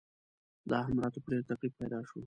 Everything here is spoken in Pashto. دا هم راته په ډېر تکلیف پیدا شو.